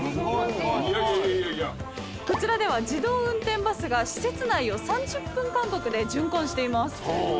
こちらでは自動運転バスが施設内を３０分間隔で循環しています。